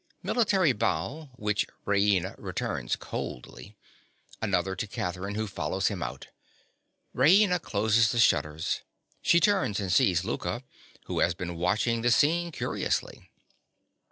(_Military bow, which Raina returns coldly. Another to Catherine, who follows him out. Raina closes the shutters. She turns and sees Louka, who has been watching the scene curiously.